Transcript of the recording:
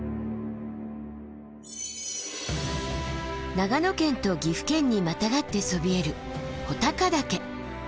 長野県と岐阜県にまたがってそびえる穂高岳。